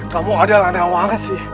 kamu adalah nawangsi